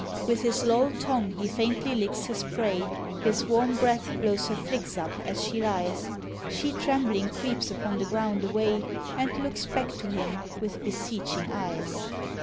With his loll'd tongue he faintly licks his prey; His warm breath blows her flix up as she lies: She trembling creeps upon the ground away And looks back to him with beseeching eyes.